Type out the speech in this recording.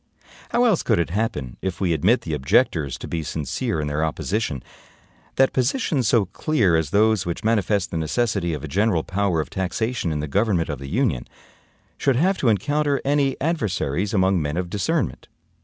How else could it happen (if we admit the objectors to be sincere in their opposition), that positions so clear as those which manifest the necessity of a general power of taxation in the government of the Union, should have to encounter any adversaries among men of discernment?